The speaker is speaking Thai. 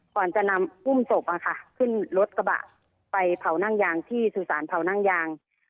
ก่อนจะนำอุ้มศพขึ้นรถกระบะไปเผานั่งยางที่สุสานเผานั่งยาง